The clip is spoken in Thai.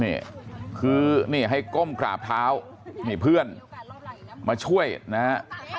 นี่คือนี่ให้ก้มกราบเท้านี่เพื่อนมาช่วยนะฮะ